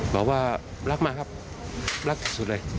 ูว่าหลักมากลับครับหลักเก็บสุดเลย